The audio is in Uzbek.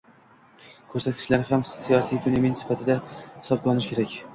ko‘rsatkichlari ham siyosiy fenomen sifatida hisobga olinishi kerak.